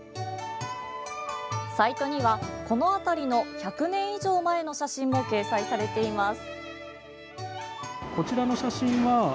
サイトには、この辺りの１００年以上前の写真も掲載されています。